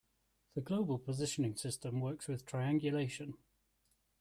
The global positioning system works with triangulation.